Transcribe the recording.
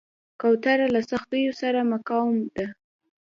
کوتره له سختیو سره مقاوم ده.